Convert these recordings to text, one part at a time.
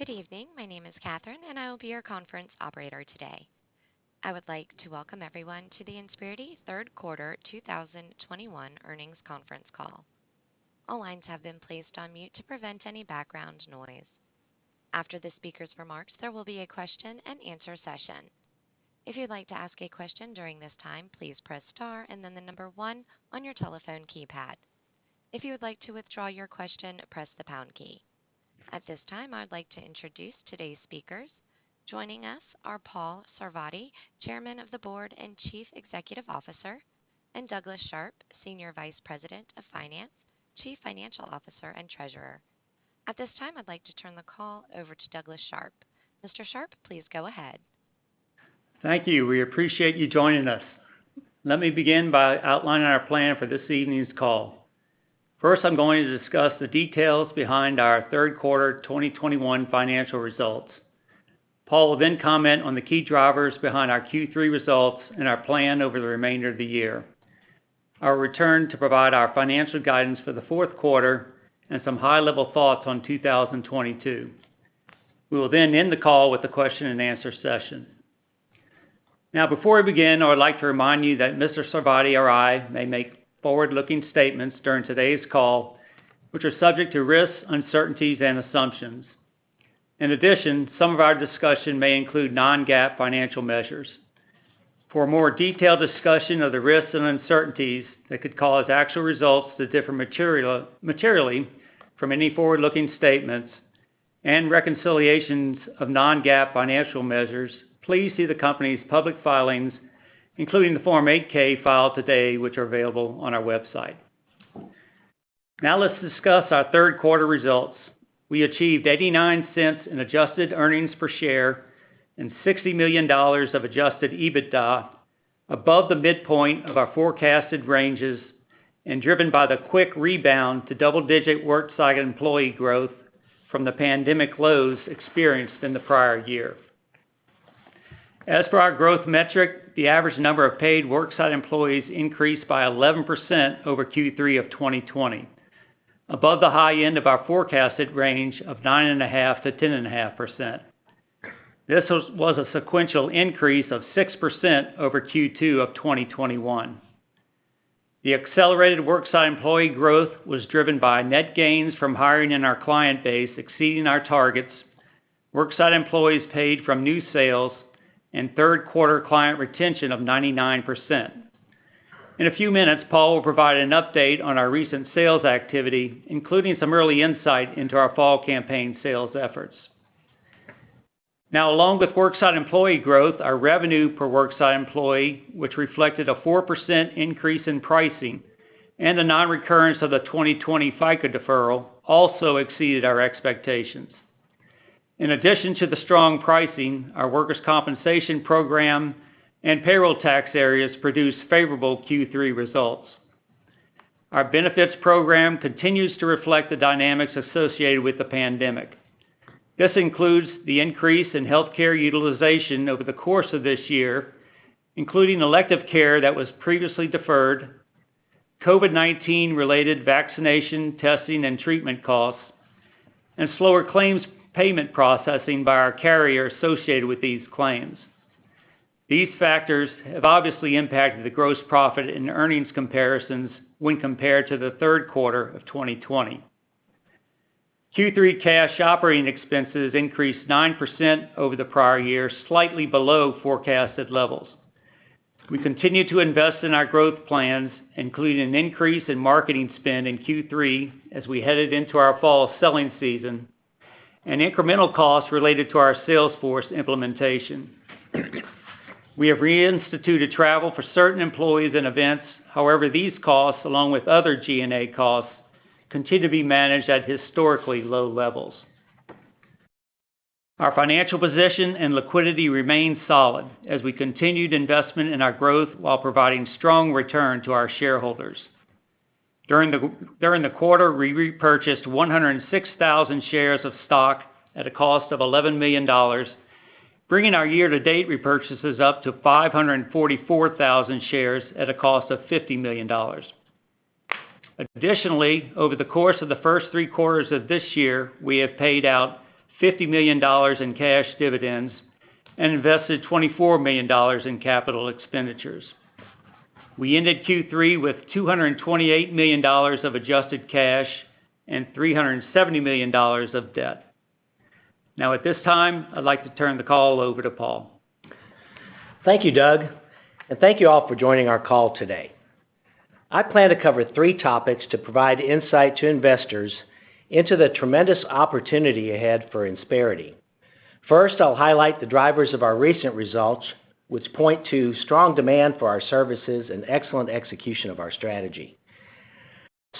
Good evening. My name is Catherine, and I will be your conference operator today. I would like to welcome everyone to the Insperity Q3 2021 earnings conference call. All lines have been placed on mute to prevent any background noise. After the speaker's remarks, there will be a question-and-answer session. If you'd like to ask a question during this time, please press star and then the number 1 on your telephone keypad. If you would like to withdraw your question, press the pound key. At this time, I'd like to introduce today's speakers. Joining us are Paul Sarvadi, Chairman of the Board and Chief Executive Officer, and Douglas Sharp, Senior Vice President of Finance, Chief Financial Officer, and Treasurer. At this time, I'd like to turn the call over to Douglas Sharp. Mr. Sharp, please go ahead. Thank you. We appreciate you joining us. Let me begin by outlining our plan for this evening's call. First, I'm going to discuss the details behind our Q3 2021 financial results. Paul will then comment on the key drivers behind our Q3 results and our plan over the remainder of the year. I'll return to provide our financial guidance for the Q4 and some high-level thoughts on 2022. We will then end the call with the question-and-answer session. Now, before we begin, I would like to remind you that Mr. Sarvadi or I may make forward-looking statements during today's call, which are subject to risks, uncertainties, and assumptions. In addition, some of our discussion may include non-GAAP financial measures. For more detailed discussion of the risks and uncertainties that could cause actual results to differ materially from any forward-looking statements and reconciliations of non-GAAP financial measures, please see the company's public filings, including the Form 8-K filed today, which are available on our website. Now let's discuss our Q3 results. We achieved $0.89 in adjusted earnings per share and $60 million of adjusted EBITDA above the midpoint of our forecasted ranges and driven by the quick rebound to double-digit worksite employee growth from the pandemic lows experienced in the prior year. As for our growth metric, the average number of paid worksite employees increased by 11% over Q3 of 2020, above the high end of our forecasted range of 9.5%-10.5%. This was a sequential increase of 6% over Q2 of 2021. The accelerated worksite employee growth was driven by net gains from hiring in our client base, exceeding our targets, worksite employees paid from new sales and Q3 client retention of 99%. In a few minutes, Paul will provide an update on our recent sales activity, including some early insight into our fall campaign sales efforts. Now, along with worksite employee growth, our revenue per worksite employee, which reflected a 4% increase in pricing and the nonrecurrence of the 2020 FICA deferral, also exceeded our expectations. In addition to the strong pricing, our workers' compensation program and payroll tax areas produced favorable Q3 results. Our benefits program continues to reflect the dynamics associated with the pandemic. This includes the increase in healthcare utilization over the course of this year, including elective care that was previously deferred, COVID-19 related vaccination, testing, and treatment costs, and slower claims payment processing by our carrier associated with these claims. These factors have obviously impacted the gross profit and earnings comparisons when compared to the Q3 of 2020. Q3 cash operating expenses increased 9% over the prior year, slightly below forecasted levels. We continue to invest in our growth plans, including an increase in marketing spend in Q3 as we headed into our fall selling season and incremental costs related to our sales force implementation. We have reinstituted travel for certain employees and events. However, these costs, along with other G&A costs, continue to be managed at historically low levels. Our financial position and liquidity remain solid as we continued investment in our growth while providing strong return to our shareholders. During the quarter, we repurchased 106,000 shares of stock at a cost of $11 million, bringing our year-to-date repurchases up to 544,000 shares at a cost of $50 million. Additionally, over the course of the first three quarters of this year, we have paid out $50 million in cash dividends and invested $24 million in capital expenditures. We ended Q3 with $228 million of adjusted cash and $370 million of debt. Now, at this time, I'd like to turn the call over to Paul. Thank you, Doug, and thank you all for joining our call today. I plan to cover three topics to provide insight to investors into the tremendous opportunity ahead for Insperity. First, I'll highlight the drivers of our recent results, which point to strong demand for our services and excellent execution of our strategy.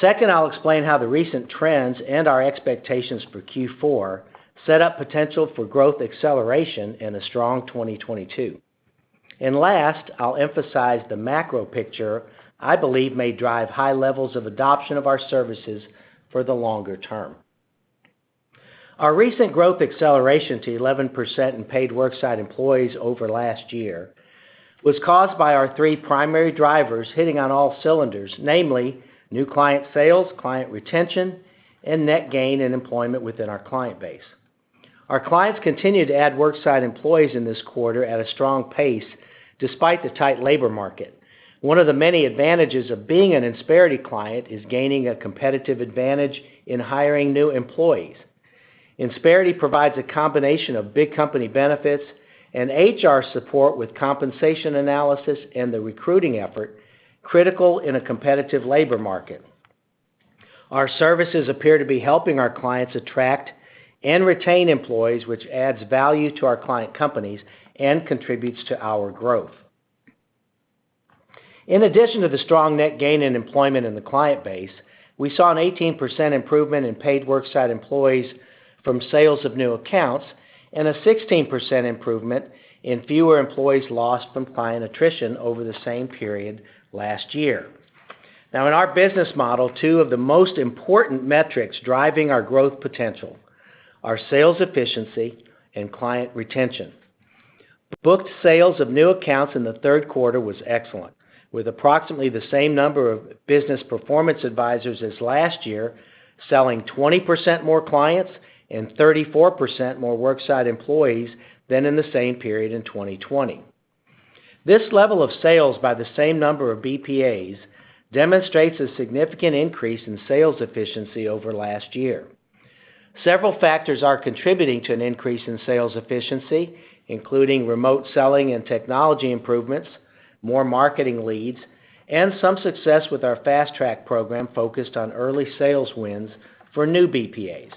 Second, I'll explain how the recent trends and our expectations for Q4 set up potential for growth acceleration in a strong 2022. Last, I'll emphasize the macro picture I believe may drive high levels of adoption of our services for the longer term. Our recent growth acceleration to 11% in paid worksite employees over last year was caused by our three primary drivers hitting on all cylinders, namely new client sales, client retention and net gain in employment within our client base. Our clients continued to add worksite employees in this quarter at a strong pace despite the tight labor market. One of the many advantages of being an Insperity client is gaining a competitive advantage in hiring new employees. Insperity provides a combination of big company benefits and HR support with compensation analysis and the recruiting effort critical in a competitive labor market. Our services appear to be helping our clients attract and retain employees, which adds value to our client companies and contributes to our growth. In addition to the strong net gain in employment in the client base, we saw an 18% improvement in paid worksite employees from sales of new accounts, and a 16% improvement in fewer employees lost from client attrition over the same period last year. Now, in our business model, two of the most important metrics driving our growth potential are sales efficiency and client retention. Booked sales of new accounts in the Q3 was excellent, with approximately the same number of business performance advisors as last year, selling 20% more clients and 34% more worksite employees than in the same period in 2020. This level of sales by the same number of BPAs demonstrates a significant increase in sales efficiency over last year. Several factors are contributing to an increase in sales efficiency, including remote selling and technology improvements, more marketing leads, and some success with our fast track program focused on early sales wins for new BPAs.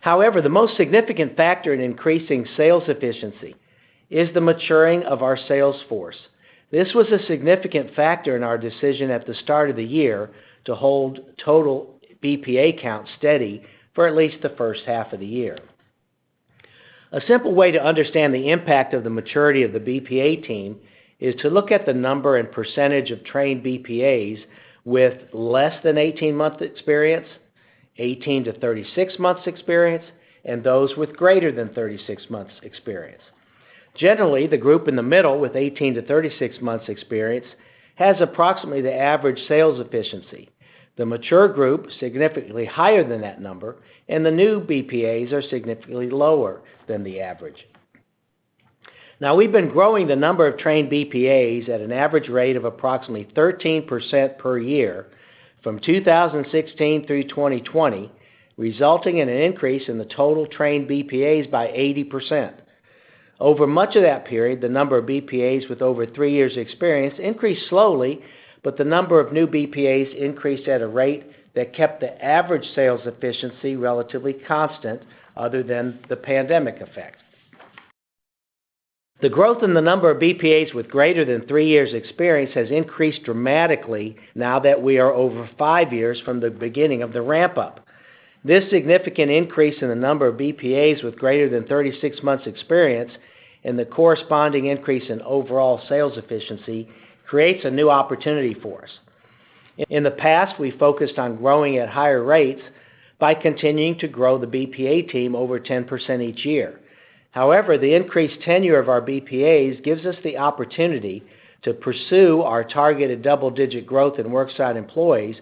However, the most significant factor in increasing sales efficiency is the maturing of our sales force. This was a significant factor in our decision at the start of the year to hold total BPA count steady for at least the first half of the year. A simple way to understand the impact of the maturity of the BPA team is to look at the number and percentage of trained BPAs with less than 18 months' experience, 18-36 months' experience, and those with greater than 36 months' experience. Generally, the group in the middle with 18-36 months' experience has approximately the average sales efficiency. The mature group, significantly higher than that number, and the new BPAs are significantly lower than the average. Now we've been growing the number of trained BPAs at an average rate of approximately 13% per year from 2016 through 2020, resulting in an increase in the total trained BPAs by 80%. Over much of that period, the number of BPAs with over three years experience increased slowly, but the number of new BPAs increased at a rate that kept the average sales efficiency relatively constant other than the pandemic effect. The growth in the number of BPAs with greater than three years experience has increased dramatically now that we are over five years from the beginning of the ramp-up. This significant increase in the number of BPAs with greater than 36 months experience and the corresponding increase in overall sales efficiency creates a new opportunity for us. In the past, we focused on growing at higher rates by continuing to grow the BPA team over 10% each year. However, the increased tenure of our BPAs gives us the opportunity to pursue our targeted double-digit growth in worksite employees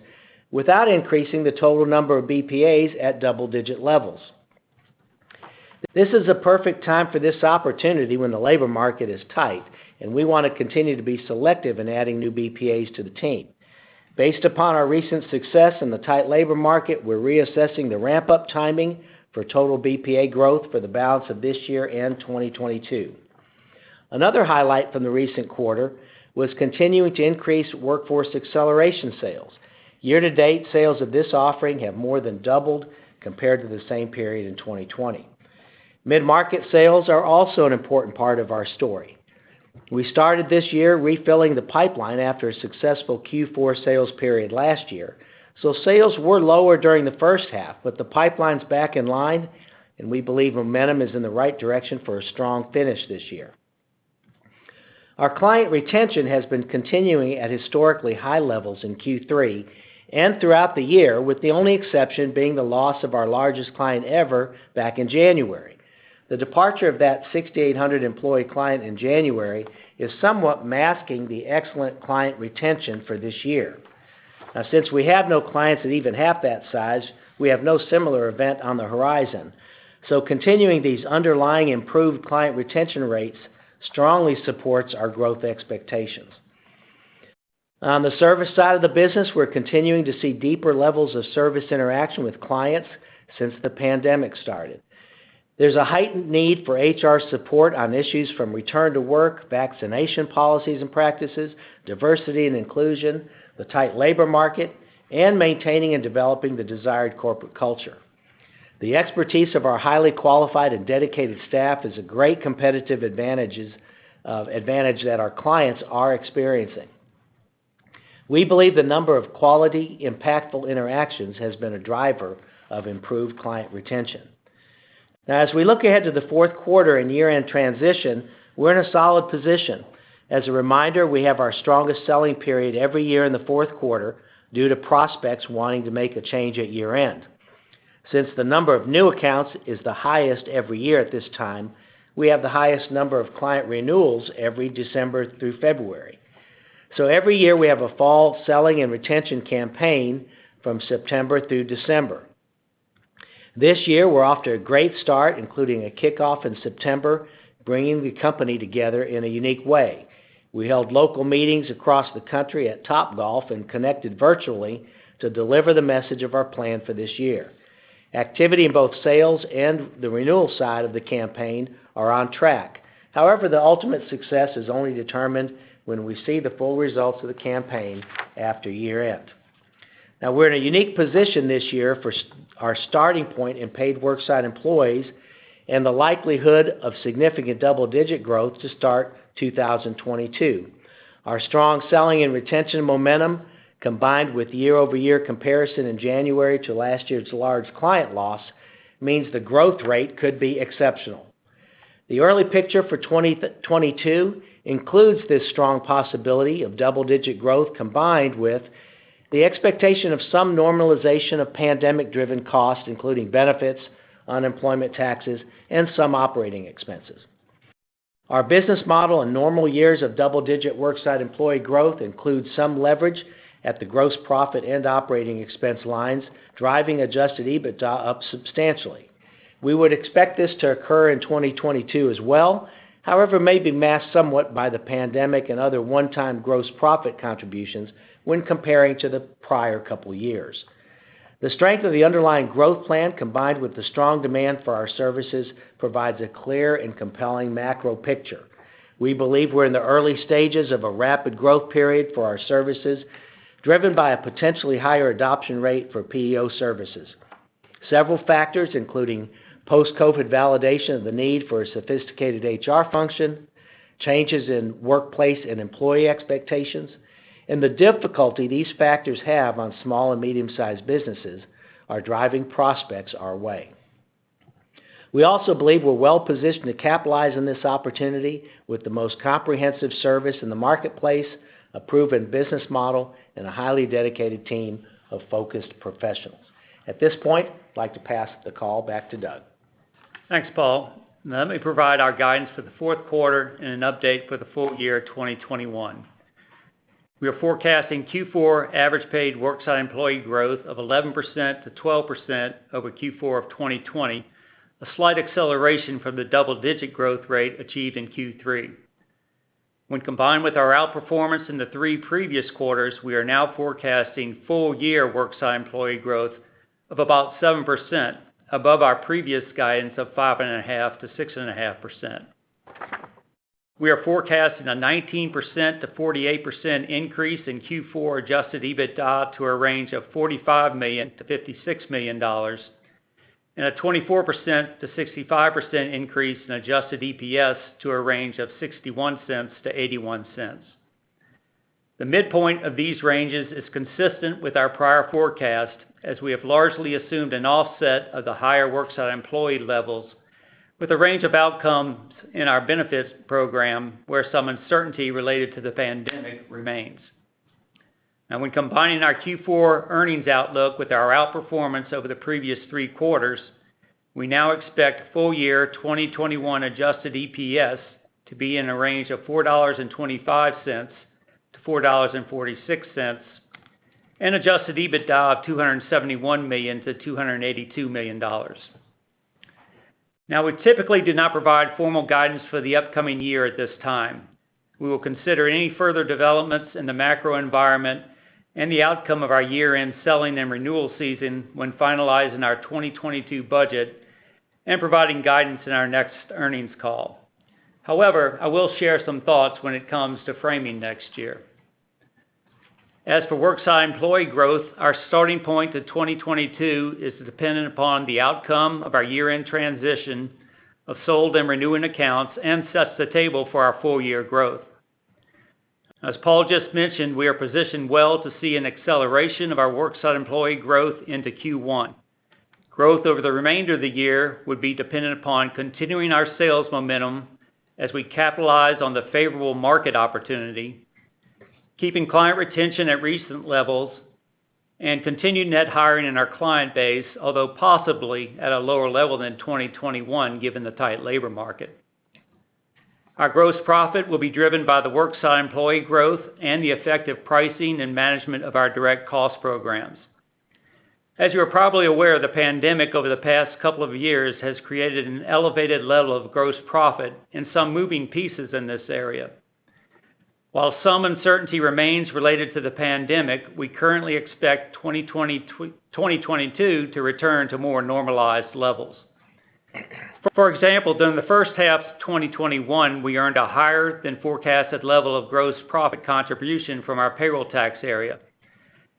without increasing the total number of BPAs at double-digit levels. This is a perfect time for this opportunity when the labor market is tight, and we wanna continue to be selective in adding new BPAs to the team. Based upon our recent success in the tight labor market, we're reassessing the ramp-up timing for total BPA growth for the balance of this year and 2022. Another highlight from the recent quarter was continuing to increase Workforce Acceleration sales. Year to date, sales of this offering have more than doubled compared to the same period in 2020. Mid-market sales are also an important part of our story. We started this year refilling the pipeline after a successful Q4 sales period last year. Sales were lower during the first half, but the pipeline's back in line, and we believe momentum is in the right direction for a strong finish this year. Our client retention has been continuing at historically high levels in Q3 and throughout the year, with the only exception being the loss of our largest client ever back in January. The departure of that 6,800-employee client in January is somewhat masking the excellent client retention for this year. Now, since we have no clients at even half that size, we have no similar event on the horizon. Continuing these underlying improved client retention rates strongly supports our growth expectations. On the service side of the business, we're continuing to see deeper levels of service interaction with clients since the pandemic started. There's a heightened need for HR support on issues from return to work, vaccination policies and practices, diversity and inclusion, the tight labor market, and maintaining and developing the desired corporate culture. The expertise of our highly qualified and dedicated staff is a great competitive advantage that our clients are experiencing. We believe the number of quality, impactful interactions has been a driver of improved client retention. Now as we look ahead to the Q4 and year-end transition, we're in a solid position. As a reminder, we have our strongest selling period every year in the Q4 due to prospects wanting to make a change at year-end. Since the number of new accounts is the highest every year at this time, we have the highest number of client renewals every December through February. Every year we have a fall selling and retention campaign from September through December. This year, we're off to a great start, including a kickoff in September, bringing the company together in a unique way. We held local meetings across the country at Topgolf and connected virtually to deliver the message of our plan for this year. Activity in both sales and the renewal side of the campaign are on track. However, the ultimate success is only determined when we see the full results of the campaign after year-end. Now we're in a unique position this year for our starting point in paid worksite employees and the likelihood of significant double-digit growth to start 2022. Our strong selling and retention momentum, combined with year-over-year comparison in January to last year's large client loss, means the growth rate could be exceptional. The early picture for 2022 includes this strong possibility of double-digit growth, combined with the expectation of some normalization of pandemic-driven costs, including benefits, unemployment taxes, and some operating expenses. Our business model and normal years of double-digit worksite employee growth includes some leverage at the gross profit and operating expense lines, driving adjusted EBITDA up substantially. We would expect this to occur in 2022 as well, however, may be masked somewhat by the pandemic and other one-time gross profit contributions when comparing to the prior couple years. The strength of the underlying growth plan, combined with the strong demand for our services, provides a clear and compelling macro picture. We believe we're in the early stages of a rapid growth period for our services, driven by a potentially higher adoption rate for PEO services. Several factors, including post-COVID validation of the need for a sophisticated HR function, changes in workplace and employee expectations, and the difficulty these factors have on small and medium-sized businesses are driving prospects our way. We also believe we're well-positioned to capitalize on this opportunity with the most comprehensive service in the marketplace, a proven business model, and a highly dedicated team of focused professionals. At this point, I'd like to pass the call back to Doug. Thanks, Paul. Now let me provide our guidance for the Q4 and an update for the full year 2021. We are forecasting Q4 average paid worksite employee growth of 11%-12% over Q4 of 2020, a slight acceleration from the double-digit growth rate achieved in Q3. When combined with our outperformance in the three previous quarters, we are now forecasting full year worksite employee growth of about 7% above our previous guidance of 5.5%-6.5%. We are forecasting a 19%-48% increase in Q4 adjusted EBITDA to a range of $45 million-$56 million, and a 24%-65% increase in adjusted EPS to a range of $0.61-$0.81. The midpoint of these ranges is consistent with our prior forecast, as we have largely assumed an offset of the higher worksite employee levels with a range of outcomes in our benefits program, where some uncertainty related to the pandemic remains. When combining our Q4 earnings outlook with our outperformance over the previous three quarters, we expect full year 2021 adjusted EPS to be in a range of $4.25-$4.46, and adjusted EBITDA of $271 million-$282 million. We typically do not provide formal guidance for the upcoming year at this time. We will consider any further developments in the macro environment and the outcome of our year-end selling and renewal season when finalizing our 2022 budget and providing guidance in our next earnings call. However, I will share some thoughts when it comes to framing next year. As for worksite employee growth, our starting point to 2022 is dependent upon the outcome of our year-end transition of sold and renewing accounts and sets the table for our full year growth. As Paul just mentioned, we are positioned well to see an acceleration of our worksite employee growth into Q1. Growth over the remainder of the year would be dependent upon continuing our sales momentum as we capitalize on the favorable market opportunity, keeping client retention at recent levels, and continued net hiring in our client base, although possibly at a lower level than 2021, given the tight labor market. Our gross profit will be driven by the worksite employee growth and the effective pricing and management of our direct cost programs. As you are probably aware, the pandemic over the past couple of years has created an elevated level of gross profit and some moving pieces in this area. While some uncertainty remains related to the pandemic, we currently expect 2022 to return to more normalized levels. For example, during the first half of 2021, we earned a higher than forecasted level of gross profit contribution from our payroll tax area,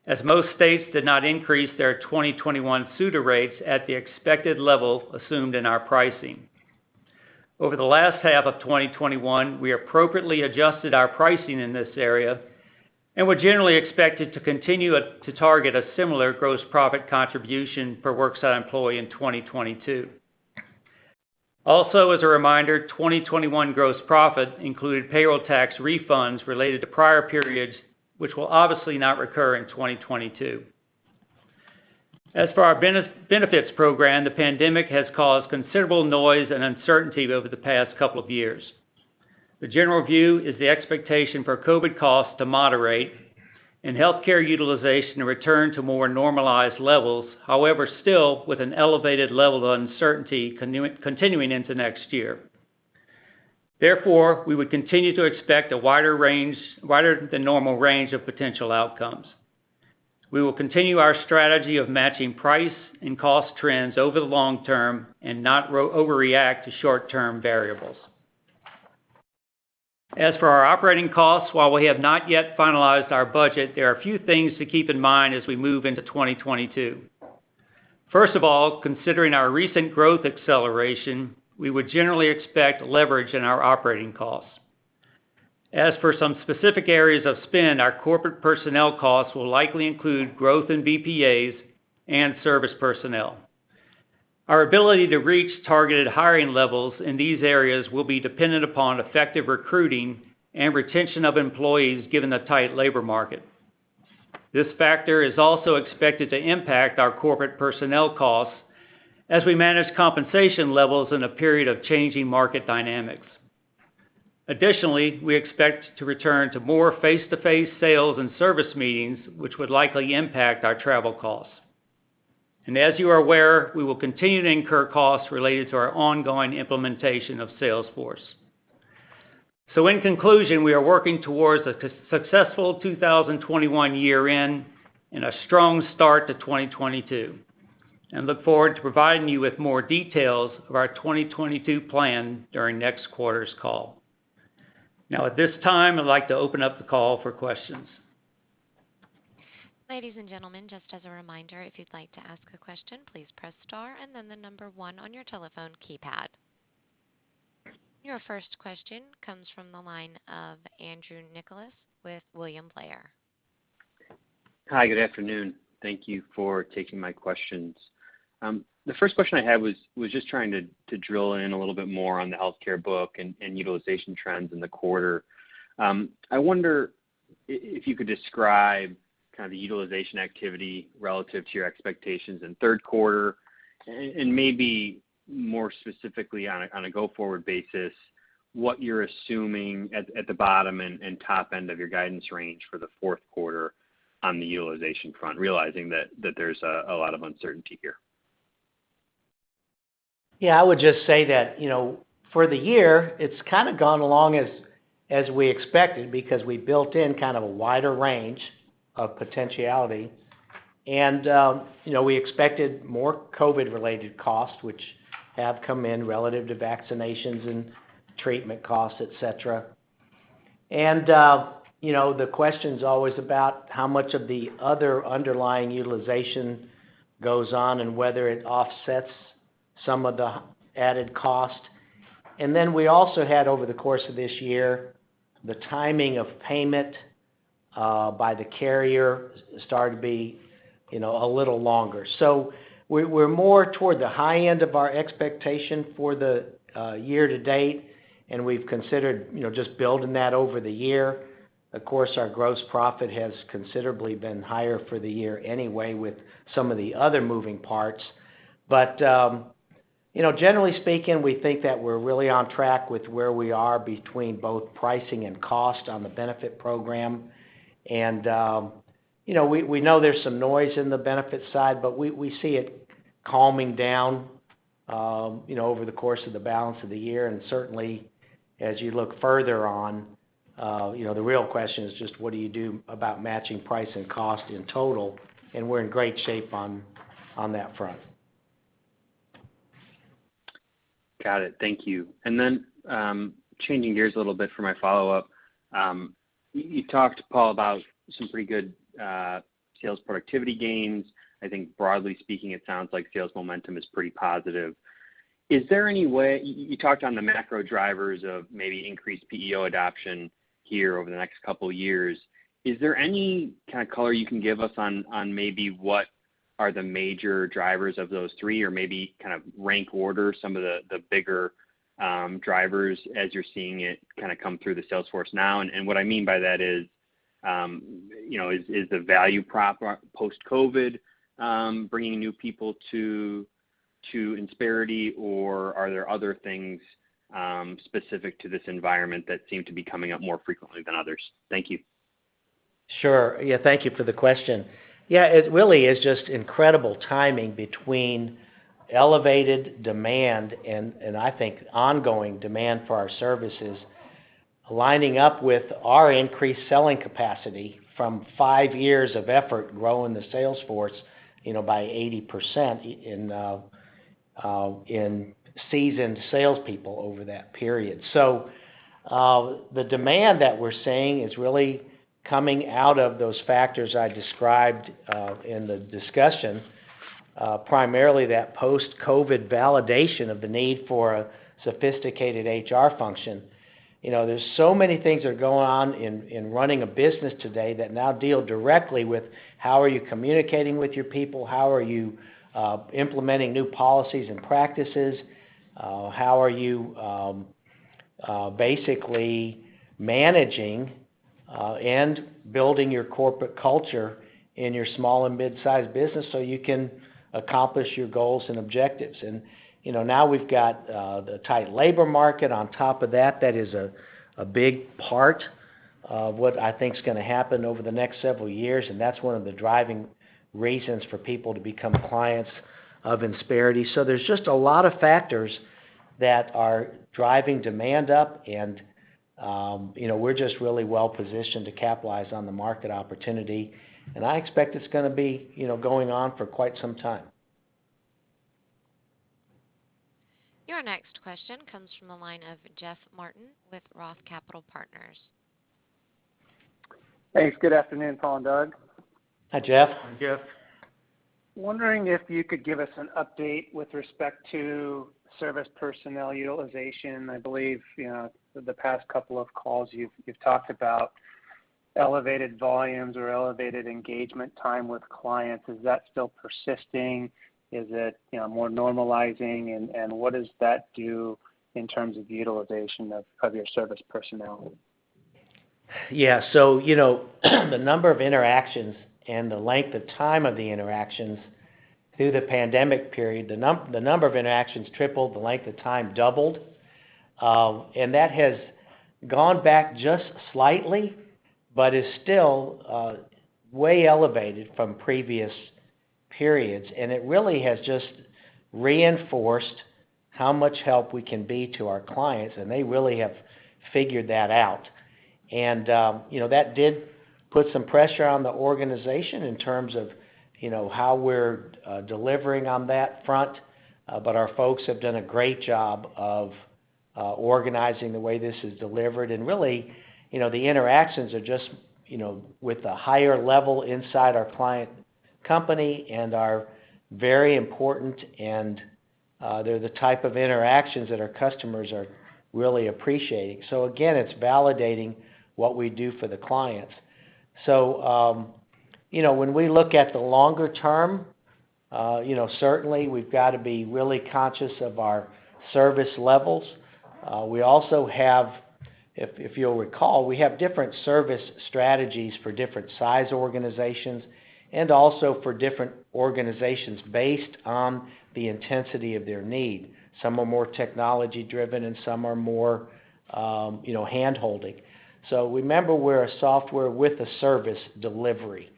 as most states did not increase their 2021 SUTA rates at the expected level assumed in our pricing. Over the last half of 2021, we appropriately adjusted our pricing in this area, and we're generally expected to continue to target a similar gross profit contribution per worksite employee in 2022. Also, as a reminder, 2021 gross profit included payroll tax refunds related to prior periods, which will obviously not recur in 2022. As for our benefits program, the pandemic has caused considerable noise and uncertainty over the past couple of years. The general view is the expectation for COVID costs to moderate and healthcare utilization to return to more normalized levels, however, still with an elevated level of uncertainty continuing into next year. Therefore, we would continue to expect a wider than normal range of potential outcomes. We will continue our strategy of matching price and cost trends over the long term and not overreact to short-term variables. As for our operating costs, while we have not yet finalized our budget, there are a few things to keep in mind as we move into 2022. First of all, considering our recent growth acceleration, we would generally expect leverage in our operating costs. As for some specific areas of spend, our corporate personnel costs will likely include growth in BPAs and service personnel. Our ability to reach targeted hiring levels in these areas will be dependent upon effective recruiting and retention of employees given the tight labor market. This factor is also expected to impact our corporate personnel costs as we manage compensation levels in a period of changing market dynamics. Additionally, we expect to return to more face-to-face sales and service meetings, which would likely impact our travel costs. As you are aware, we will continue to incur costs related to our ongoing implementation of Salesforce. In conclusion, we are working towards a successful 2021 year-end and a strong start to 2022, and look forward to providing you with more details of our 2022 plan during next quarter's call Now at this time, I'd like to open up the call for questions. Ladies and gentlemen, just as a reminder, if you'd like to ask a question, please press star and then the number one on your telephone keypad. Your first question comes from the line of Andrew Nicholas with William Blair. Hi, good afternoon. Thank you for taking my questions. The first question I had was just trying to drill in a little bit more on the healthcare book and utilization trends in the quarter. I wonder if you could describe kind of the utilization activity relative to your expectations in Q3 and maybe more specifically on a go-forward basis, what you're assuming at the bottom and top end of your guidance range for the Q4 on the utilization front, realizing that there's a lot of uncertainty here. Yeah, I would just say that, you know, for the year, it's kind of gone along as we expected because we built in kind of a wider range of potentiality. You know, we expected more COVID-related costs, which have come in relative to vaccinations and treatment costs, et cetera. You know, the question's always about how much of the other underlying utilization goes on and whether it offsets some of the added cost. We also had, over the course of this year, the timing of payment by the carrier starting to be, you know, a little longer. We're more toward the high end of our expectation for the year to date, and we've considered, you know, just building that over the year. Of course, our gross profit has considerably been higher for the year anyway with some of the other moving parts. You know, generally speaking, we think that we're really on track with where we are between both pricing and cost on the benefit program. You know, we know there's some noise in the benefit side, but we see it calming down, you know, over the course of the balance of the year. Certainly, as you look further on, you know, the real question is just what do you do about matching price and cost in total? We're in great shape on that front. Got it. Thank you. Then, changing gears a little bit for my follow-up. You talked, Paul, about some pretty good sales productivity gains. I think broadly speaking, it sounds like sales momentum is pretty positive. Is there any way you talked on the macro drivers of maybe increased PEO adoption here over the next couple years. Is there any kind of color you can give us on maybe what are the major drivers of those three or maybe kind of rank order some of the bigger drivers as you're seeing it kind of come through the sales force now? What I mean by that is, you know, is the value prop post-COVID bringing new people to Insperity or are there other things specific to this environment that seem to be coming up more frequently than others? Thank you. Sure. Yeah, thank you for the question. Yeah, it really is just incredible timing between elevated demand and I think ongoing demand for our services lining up with our increased selling capacity from five years of effort growing the sales force, you know, by 80% in seasoned salespeople over that period. The demand that we're seeing is really coming out of those factors I described in the discussion, primarily that post-COVID validation of the need for a sophisticated HR function. You know, there's so many things that are going on in running a business today that now deal directly with how are you communicating with your people, how are you implementing new policies and practices, how are you basically managing and building your corporate culture in your small and mid-sized business so you can accomplish your goals and objectives. You know, now we've got the tight labor market on top of that. That is a big part of what I think is gonna happen over the next several years, and that's one of the driving reasons for people to become clients of Insperity. There's just a lot of factors that are driving demand up, and you know, we're just really well-positioned to capitalize on the market opportunity. I expect it's gonna be, you know, going on for quite some time. Your next question comes from the line of Jeff Martin with Roth Capital Partners. Thanks. Good afternoon, Paul and Doug. Hi, Jeff. Hi, Jeff. Wondering if you could give us an update with respect to service personnel utilization. I believe, you know, the past couple of calls, you've talked about elevated volumes or elevated engagement time with clients. Is that still persisting? Is it, you know, more normalizing? What does that do in terms of utilization of your service personnel? Yeah. You know, the number of interactions and the length of time of the interactions through the pandemic period, the number of interactions tripled, the length of time doubled. That has gone back just slightly, but is still way elevated from previous periods. It really has just reinforced how much help we can be to our clients, and they really have figured that out. You know, that did put some pressure on the organization in terms of, you know, how we're delivering on that front. But our folks have done a great job of organizing the way this is delivered. Really, you know, the interactions are just, you know, with a higher level inside our client company and are very important, and they're the type of interactions that our customers are really appreciating. Again, it's validating what we do for the clients. You know, when we look at the longer term, you know, certainly we've got to be really conscious of our service levels. We also have different service strategies for different sized organizations and also for different organizations based on the intensity of their need. Some are more technology-driven, and some are more, you know, hand-holding. Remember, we're a software with a service delivery.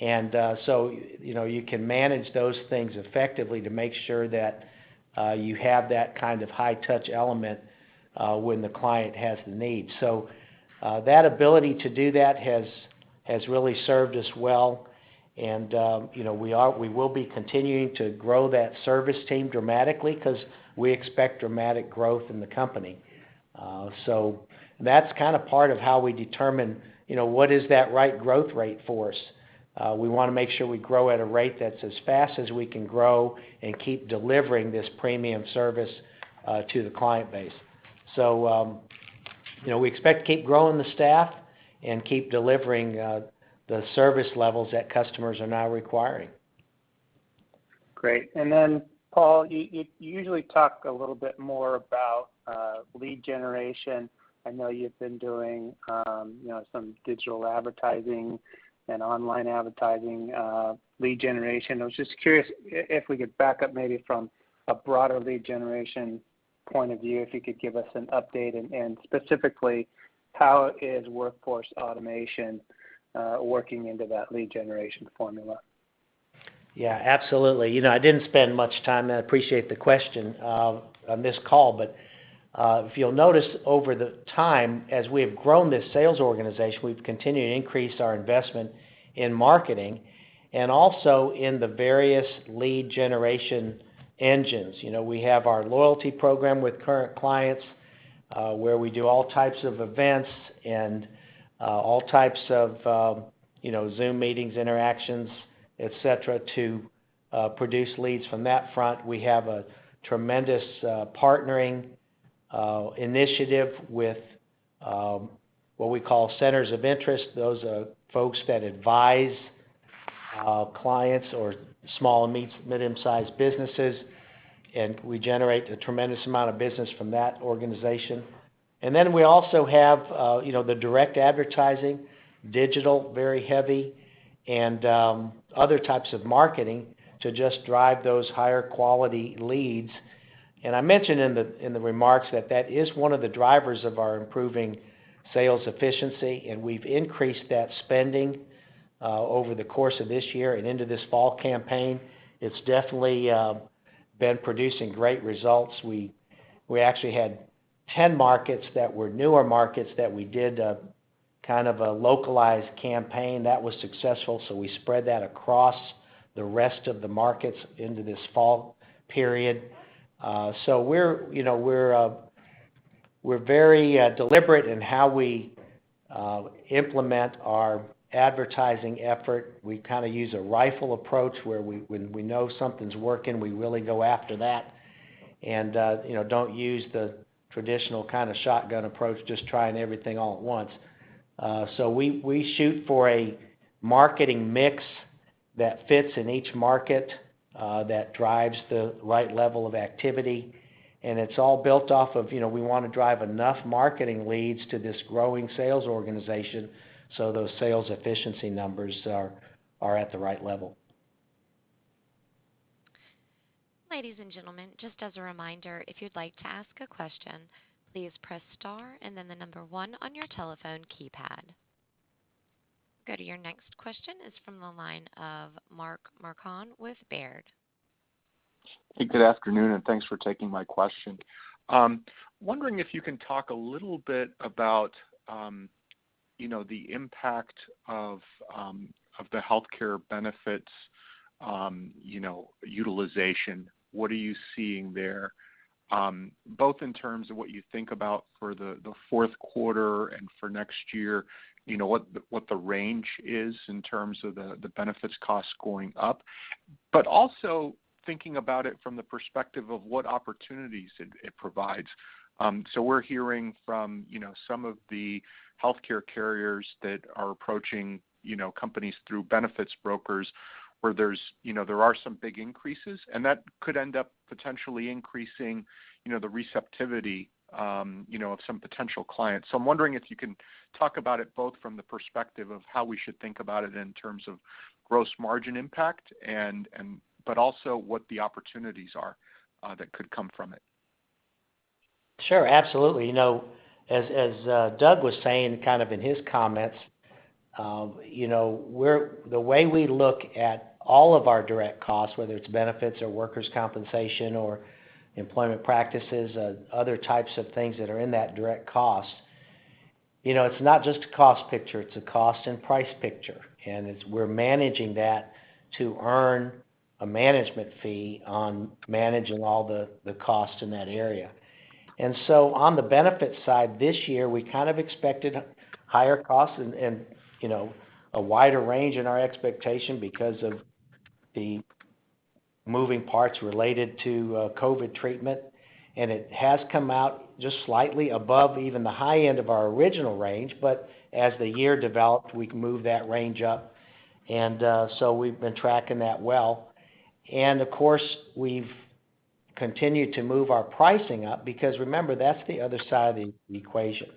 You know, you can manage those things effectively to make sure that you have that kind of high touch element when the client has the need. That ability to do that has really served us well. You know, we will be continuing to grow that service team dramatically 'cause we expect dramatic growth in the company. That's kinda part of how we determine, you know, what is that right growth rate for us. We wanna make sure we grow at a rate that's as fast as we can grow and keep delivering this premium service to the client base. You know, we expect to keep growing the staff and keep delivering the service levels that customers are now requiring. Great. Paul, you usually talk a little bit more about lead generation. I know you've been doing, you know, some digital advertising and online advertising, lead generation. I was just curious if we could back up maybe from a broader lead generation point of view, if you could give us an update, and specifically, how is Workforce Acceleration working into that lead generation formula? Yeah, absolutely. You know, I didn't spend much time, and I appreciate the question on this call. If you'll notice over the time, as we have grown this sales organization, we've continued to increase our investment in marketing and also in the various lead generation engines. You know, we have our loyalty program with current clients, where we do all types of events and all types of, you know, Zoom meetings, interactions, et cetera, to produce leads from that front. We have a tremendous partnering initiative with what we call Centers of Interest. Those are folks that advise clients or small and medium-sized businesses, and we generate a tremendous amount of business from that organization. Then we also have, you know, the direct advertising, digital, very heavy, and other types of marketing to just drive those higher quality leads. I mentioned in the remarks that that is one of the drivers of our improving sales efficiency, and we've increased that spending over the course of this year and into this fall campaign. It's definitely been producing great results. We actually had 10 markets that were newer markets that we did a kind of a localized campaign. That was successful, so we spread that across the rest of the markets into this fall period. You know, we're very deliberate in how we implement our advertising effort. We kinda use a rifle approach, where we, when we know something's working, we really go after that and, you know, don't use the traditional kinda shotgun approach, just trying everything all at once. So we shoot for a marketing mix that fits in each market, that drives the right level of activity. It's all built off of, you know, we wanna drive enough marketing leads to this growing sales organization, so those sales efficiency numbers are at the right level. Ladies and gentlemen, just as a reminder, if you'd like to ask a question, please press star and then the number one on your telephone keypad. Your next question is from the line of Mark Marcon with Baird. Hey, good afternoon, and thanks for taking my question. Wondering if you can talk a little bit about, you know, the impact of the healthcare benefits, you know, utilization. What are you seeing there, both in terms of what you think about for the Q4 and for next year, you know, what the range is in terms of the benefits cost going up, but also thinking about it from the perspective of what opportunities it provides. We're hearing from, you know, some of the healthcare carriers that are approaching, you know, companies through benefits brokers where there are some big increases, and that could end up potentially increasing, you know, the receptivity of some potential clients. I'm wondering if you can talk about it both from the perspective of how we should think about it in terms of gross margin impact and but also what the opportunities are, that could come from it. Sure, absolutely. You know, as Doug was saying kind of in his comments, you know, we're the way we look at all of our direct costs, whether it's benefits or workers' compensation or employment practices, other types of things that are in that direct cost, you know, it's not just a cost picture, it's a cost and price picture. It's we're managing that to earn a management fee on managing all the costs in that area. On the benefit side, this year, we kind of expected higher costs and you know, a wider range in our expectation because of the moving parts related to COVID treatment. It has come out just slightly above even the high end of our original range. As the year developed, we moved that range up. We've been tracking that well. Of course, we've continued to move our pricing up because remember, that's the other side of the equation.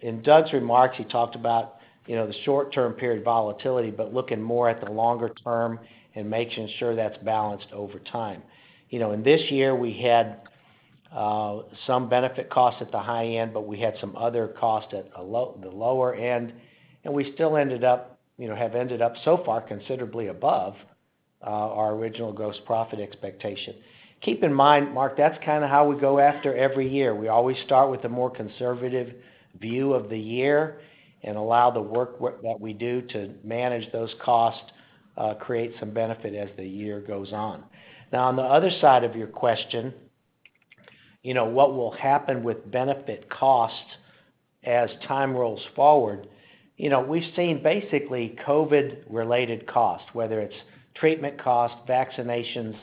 In Doug's remarks, he talked about, you know, the short-term period volatility, but looking more at the longer term and making sure that's balanced over time. This year we had some benefit costs at the high end, but we had some other costs at the lower end, and we still have ended up so far considerably above our original gross profit expectation. Keep in mind, Mark, that's kind of how we go after every year. We always start with a more conservative view of the year and allow the work what we do to manage those costs, create some benefit as the year goes on. Now, on the other side of your question, you know, what will happen with benefit costs as time rolls forward, you know, we've seen basically COVID-related costs, whether it's treatment costs, vaccinations,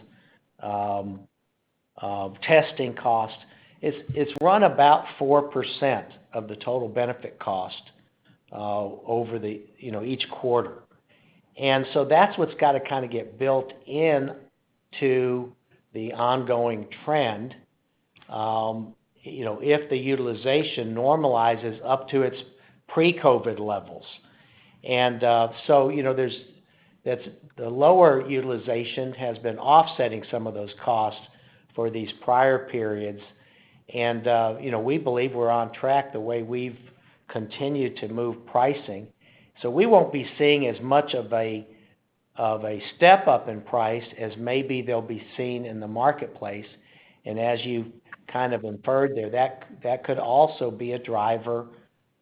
testing costs. It's run about 4% of the total benefit cost over the, you know, each quarter. That's what's gotta kind of get built into the ongoing trend, you know, if the utilization normalizes up to its pre-COVID levels. You know, that's the lower utilization has been offsetting some of those costs for these prior periods. You know, we believe we're on track the way we've continued to move pricing. We won't be seeing as much of a step-up in price as maybe they'll be seen in the marketplace. As you kind of inferred there, that could also be a driver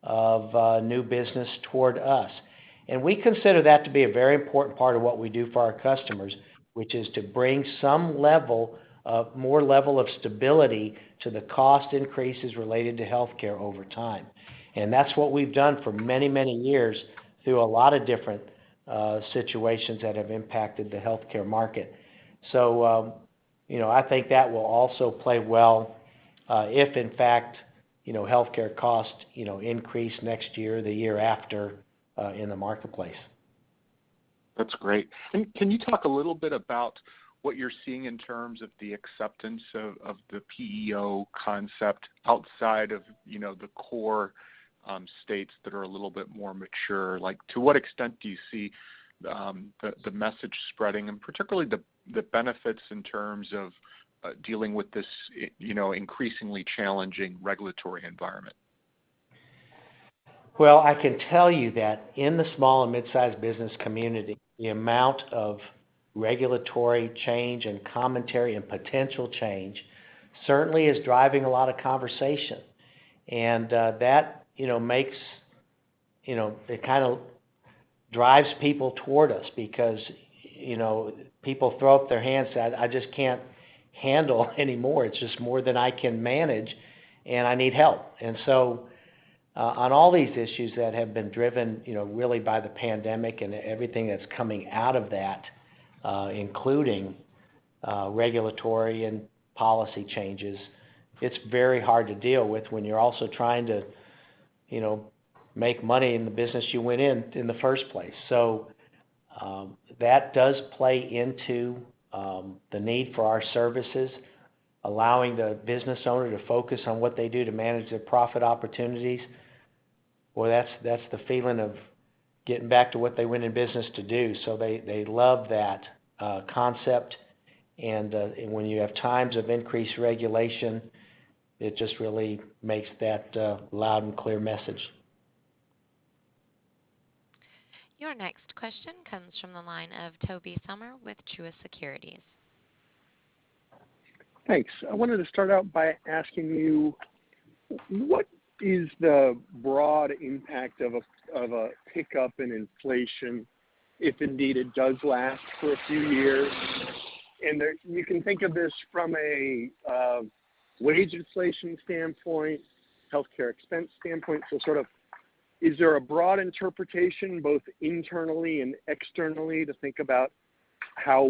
of new business toward us. We consider that to be a very important part of what we do for our customers, which is to bring some more level of stability to the cost increases related to healthcare over time. That's what we've done for many years through a lot of different situations that have impacted the healthcare market. You know, I think that will also play well if in fact you know healthcare costs you know increase next year or the year after in the marketplace. That's great. Can you talk a little bit about what you're seeing in terms of the acceptance of the PEO concept outside of, you know, the core states that are a little bit more mature? Like, to what extent do you see the message spreading and particularly the benefits in terms of dealing with this, you know, increasingly challenging regulatory environment? Well, I can tell you that in the small and mid-sized business community, the amount of regulatory change and commentary and potential change certainly is driving a lot of conversation. That, you know, makes, you know, it kind of drives people toward us because, you know, people throw up their hands and say, "I just can't handle anymore. It's just more than I can manage, and I need help." On all these issues that have been driven, you know, really by the pandemic and everything that's coming out of that, including regulatory and policy changes, it's very hard to deal with when you're also trying to, you know, make money in the business you went in in the first place. That does play into the need for our services, allowing the business owner to focus on what they do to manage their profit opportunities. Well, that's the feeling of getting back to what they went in business to do. They love that concept. When you have times of increased regulation, it just really makes that loud and clear message. Your next question comes from the line of Tobey Sommer with Truist Securities. Thanks. I wanted to start out by asking you, what is the broad impact of a pickup in inflation, if indeed it does last for a few years? You can think of this from a wage inflation standpoint, healthcare expense standpoint. Sort of, is there a broad interpretation, both internally and externally, to think about how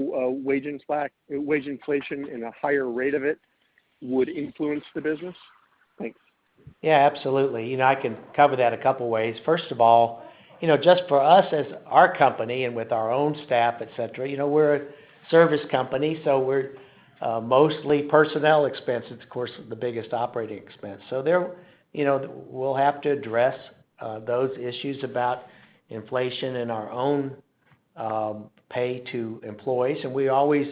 wage inflation and a higher rate of it would influence the business? Thanks. Yeah, absolutely. You know, I can cover that a couple ways. First of all, you know, just for us as our company and with our own staff, et cetera, you know, we're a service company, so we're mostly personnel expenses, of course, the biggest operating expense. There, you know, we'll have to address those issues about inflation in our own pay to employees. We always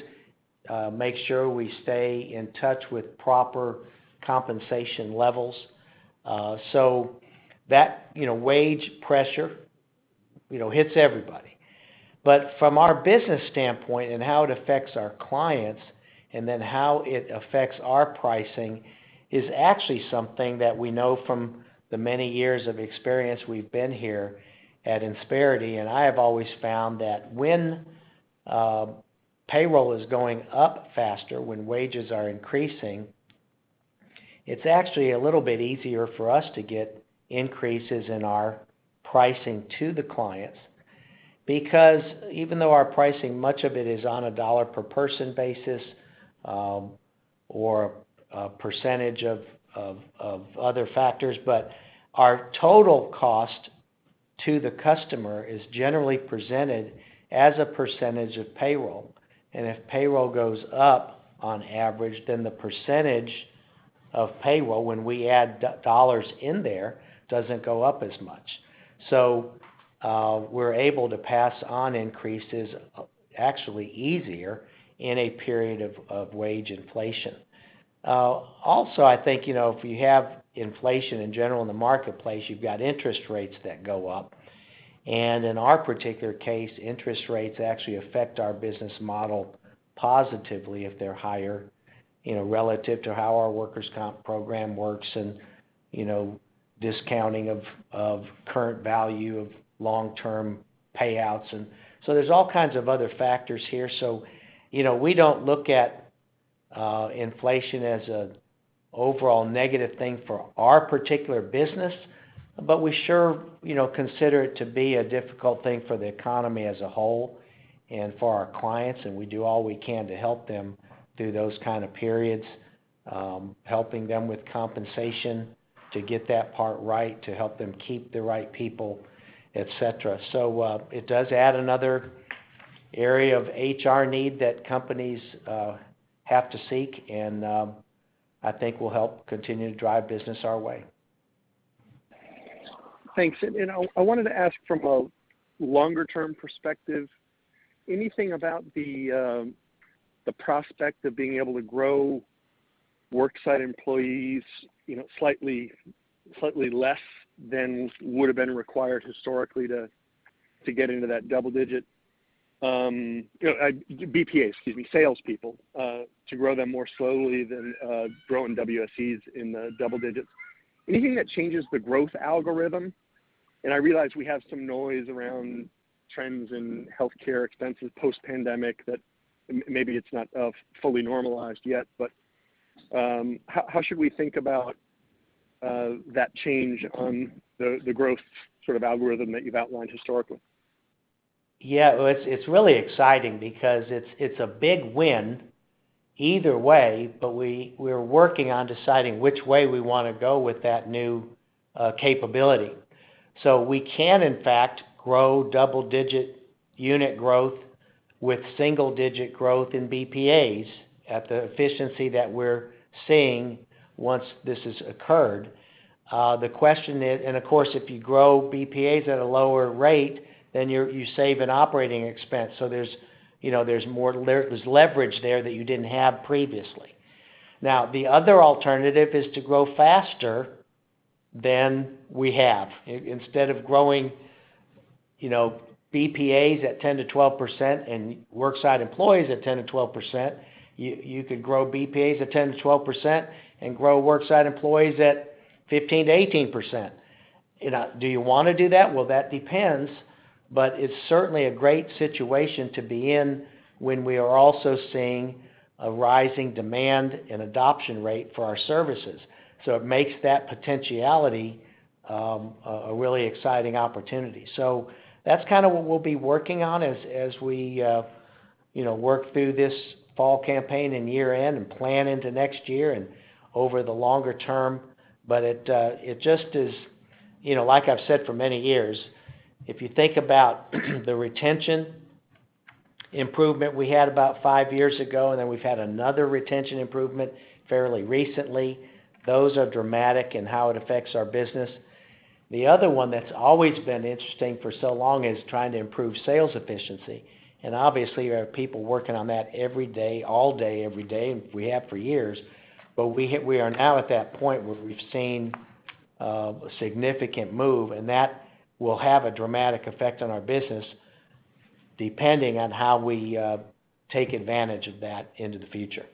make sure we stay in touch with proper compensation levels. So that, you know, wage pressure, you know, hits everybody. From our business standpoint and how it affects our clients, and then how it affects our pricing is actually something that we know from the many years of experience we've been here at Insperity. I have always found that when payroll is going up faster, when wages are increasing, it's actually a little bit easier for us to get increases in our pricing to the clients. Because even though our pricing, much of it is on a dollar per person basis, or a percentage of other factors, but our total cost to the customer is generally presented as a percentage of payroll. If payroll goes up on average, then the percentage of payroll when we add dollars in there doesn't go up as much. We're able to pass on increases actually easier in a period of wage inflation. Also, I think, you know, if you have inflation in general in the marketplace, you've got interest rates that go up. In our particular case, interest rates actually affect our business model positively if they're higher, you know, relative to how our workers' comp program works and, you know, discounting of current value of long-term payouts. There's all kinds of other factors here. You know, we don't look at inflation as an overall negative thing for our particular business, but we sure, you know, consider it to be a difficult thing for the economy as a whole and for our clients, and we do all we can to help them through those kind of periods, helping them with compensation to get that part right, to help them keep the right people, et cetera. It does add another area of HR need that companies have to seek, and I think will help continue to drive business our way. Thanks. You know, I wanted to ask from a longer-term perspective, anything about the prospect of being able to grow worksite employees, you know, slightly less than would have been required historically to get into that double digit BPAs, excuse me, salespeople, to grow them more slowly than growing WSEs in the double digits. Anything that changes the growth algorithm? I realize we have some noise around trends in healthcare expenses post-pandemic that maybe it's not fully normalized yet, but how should we think about that change on the growth sort of algorithm that you've outlined historically? Yeah. Well, it's really exciting because it's a big win either way, but we're working on deciding which way we wanna go with that new capability. We can in fact grow double-digit unit growth with single-digit growth in BPAs at the efficiency that we're seeing once this has occurred. The question is, and of course, if you grow BPAs at a lower rate, then you save an operating expense. So there's, you know, more leverage there that you didn't have previously. Now, the other alternative is to grow faster than we have. Instead of growing, you know, BPAs at 10%-12% and worksite employees at 10%-12%, you could grow BPAs at 10%-12% and grow worksite employees at 15%-18%. You know, do you wanna do that? Well, that depends, but it's certainly a great situation to be in when we are also seeing a rising demand and adoption rate for our services. It makes that potentiality a really exciting opportunity. That's kind of what we'll be working on as we, you know, work through this fall campaign and year-end and plan into next year and over the longer term. It just is, you know, like I've said for many years, if you think about the retention improvement we had about five years ago, and then we've had another retention improvement fairly recently, those are dramatic in how it affects our business. The other one that's always been interesting for so long is trying to improve sales efficiency. Obviously, you have people working on that every day, all day, every day, and we have for years. We are now at that point where we've seen significant move, and that will have a dramatic effect on our business, depending on how we take advantage of that into the future.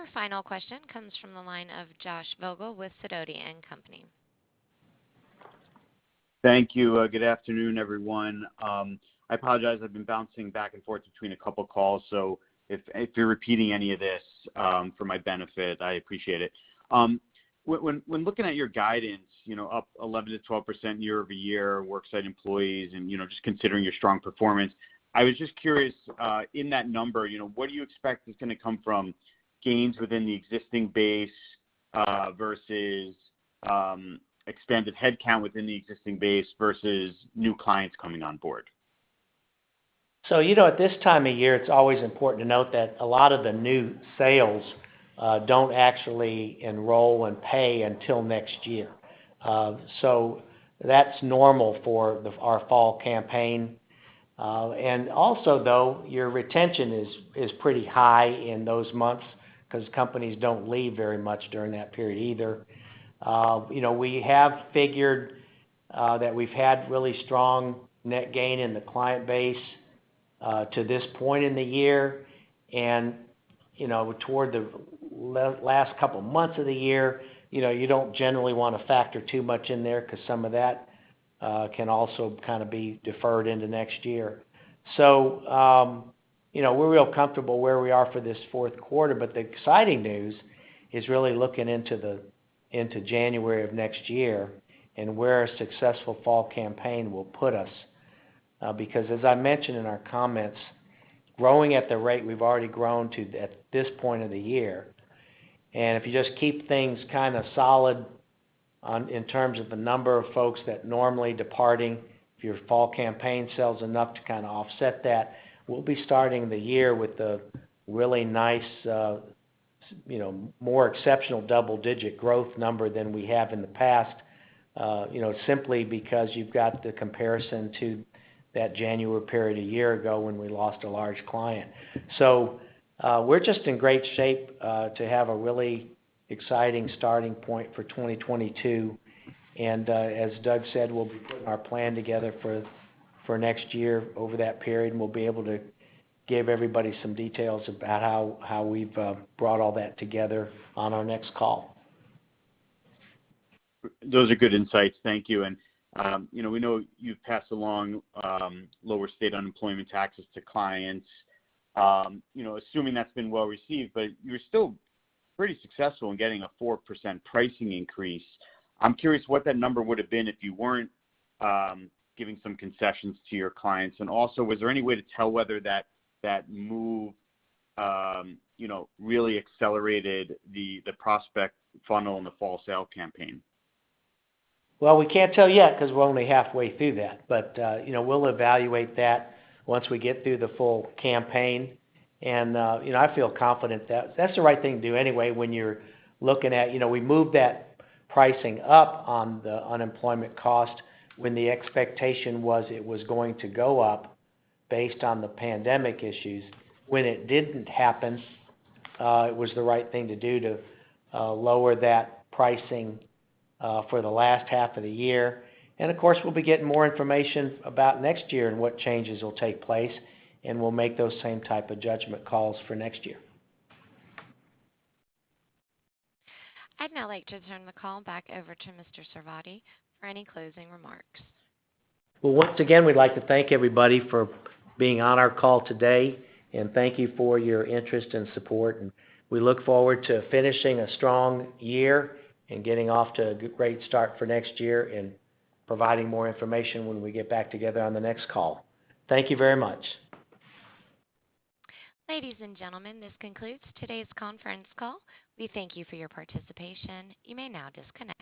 Your final question comes from the line of Josh Vogel with Sidoti & Company. Thank you. Good afternoon, everyone. I apologize, I've been bouncing back and forth between a couple of calls, so if you're repeating any of this for my benefit, I appreciate it. When looking at your guidance, you know, up 11%-12% year-over-year worksite employees and, you know, just considering your strong performance, I was just curious, in that number, you know, what do you expect is gonna come from gains within the existing base versus expanded headcount within the existing base versus new clients coming on board? You know, at this time of year, it's always important to note that a lot of the new sales don't actually enroll and pay until next year. That's normal for our fall campaign. Also, though, your retention is pretty high in those months 'cause companies don't leave very much during that period either. You know, we have figured that we've had really strong net gain in the client base to this point in the year. You know, toward the last couple of months of the year, you know, you don't generally wanna factor too much in there 'cause some of that can also kind of be deferred into next year. You know, we're real comfortable where we are for this Q4. The exciting news is really looking into January of next year and where a successful fall campaign will put us. Because as I mentioned in our comments, growing at the rate we've already grown to at this point of the year, and if you just keep things kind of solid in terms of the number of folks that normally departing, if your fall campaign sells enough to kinda offset that, we'll be starting the year with a really nice, you know, more exceptional double-digit growth number than we have in the past, you know, simply because you've got the comparison to that January period a year ago when we lost a large client. We're just in great shape to have a really exciting starting point for 2022. As Doug said, we'll be putting our plan together for next year. Over that period, we'll be able to give everybody some details about how we've brought all that together on our next call. Those are good insights. Thank you. You know, we know you've passed along lower state unemployment taxes to clients, you know, assuming that's been well-received, but you're still pretty successful in getting a 4% pricing increase. I'm curious what that number would have been if you weren't giving some concessions to your clients. Also, was there any way to tell whether that move really accelerated the prospect funnel in the fall sale campaign? Well, we can't tell yet 'cause we're only halfway through that, but, you know, we'll evaluate that once we get through the full campaign. You know, I feel confident that's the right thing to do anyway when you're looking at. You know, we moved that pricing up on the unemployment cost when the expectation was it was going to go up based on the pandemic issues. When it didn't happen, it was the right thing to do to lower that pricing for the last half of the year. Of course, we'll be getting more information about next year and what changes will take place, and we'll make those same type of judgment calls for next year. I'd now like to turn the call back over to Mr. Sarvadi for any closing remarks. Well, once again, we'd like to thank everybody for being on our call today, and thank you for your interest and support. We look forward to finishing a strong year and getting off to a great start for next year and providing more information when we get back together on the next call. Thank you very much. Ladies and gentlemen, this concludes today's conference call. We thank you for your participation. You may now disconnect.